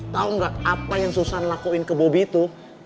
tau gak apa yang susan lakuin ke bobby itu